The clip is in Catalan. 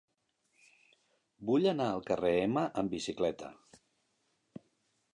Vull anar al carrer Ema amb bicicleta.